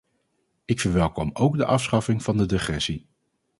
Ik verwelkom ook de afschaffing van de degressie.